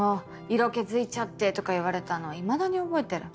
色気づいちゃってとか言われたのいまだに覚えてる。